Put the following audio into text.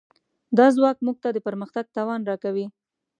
دا ځواک موږ ته د پرمختګ توان راکوي.